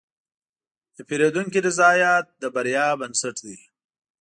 د پیرودونکي رضایت د بریا بنسټ دی.